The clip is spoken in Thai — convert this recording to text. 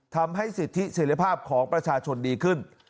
ทำให้สิทธิเสร็จภาพของประชาชนดีขึ้น